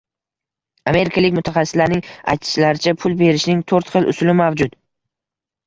Amerikalik mutaxassislarning aytishlaricha, pul berishning to'rt xil usuli mavjud.